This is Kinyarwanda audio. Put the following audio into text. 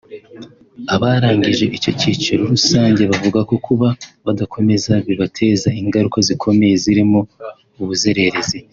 Abarangije icyo kicyiro rusange bavuga ko kuba badakomeza bibateza ingaruka zikomeye zirimo ubuzererezi